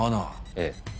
ええ。